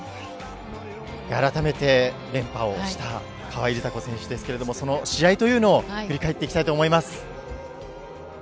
改めて、連覇をした川井梨紗子選手ですけれども、その試合というのを振り返っていきたいと思います。